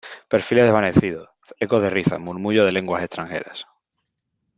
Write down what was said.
perfiles desvanecidos , ecos de risas , murmullo de lenguas extranjeras ,